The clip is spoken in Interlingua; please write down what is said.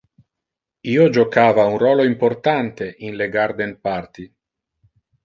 Io jocava un rolo importante in le garden-party.